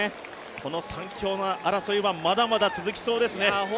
この３強の争いはまだまだ続きそうですね。